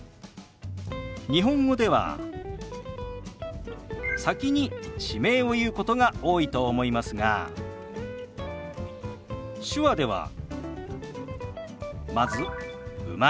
日本語では先に地名を言うことが多いと思いますが手話ではまず「生まれ」。